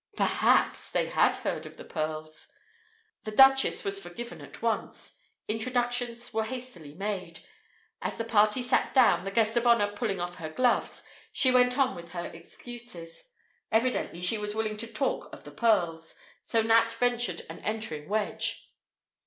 "Perhaps" they had heard of the pearls! The Duchess was forgiven at once. Introductions were hastily made. As the party sat down, the guest of honour pulling off her gloves, she went on with her excuses. Evidently she was willing to talk of the pearls, so Nat ventured an entering wedge.